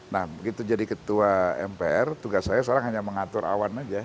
nah begitu jadi ketua mpr tugas saya sekarang hanya mengatur awan saja